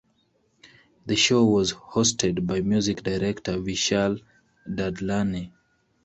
The show was hosted by music director Vishal Dadlani.